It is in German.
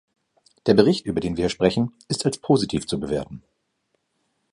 Der Bericht, über den wir hier sprechen, ist als positiv zu bewerten.